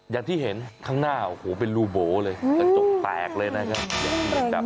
อย่างที่เห็นข้างหน้าโอ้โหเป็นรูโบ๋เลยกระจกแตกเลยนะครับ